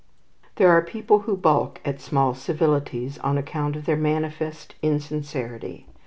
There are people who balk at small civilities on account of their manifest insincerity.